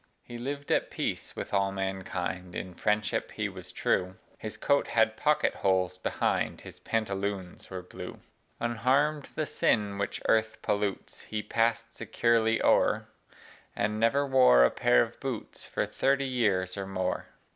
He lived at peace with all mankind, In friendship he was true: His coat had pocket holes behind, His pantaloons were blue. Unharm'd, the sin which earth pollutes He pass'd securely o'er, And never wore a pair of boots For thirty years or more.